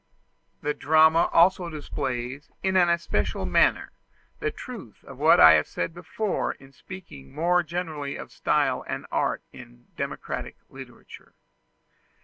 The drama also displays in an especial manner the truth of what I have said before in speaking more generally of style and art in democratic literature.